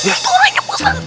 pusat pusat itu orangnya pusat